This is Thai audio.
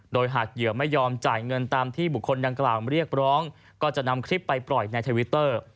โดยหากเหยื่อไม่ยอมจ่ายเงินตามที่บุคคลดังกล่าวเรียกร้องก็จะนำคลิปไปปล่อยในทวิตเตอร์